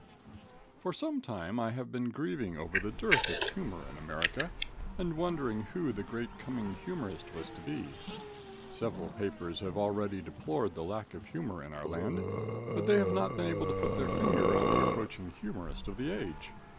For some time I have been grieving over the dearth of humor in America, and wondering who the great coming humorist was to be. Several papers have already deplored the lack of humor in our land, but they have not been able to put their finger on the approaching humorist of the age.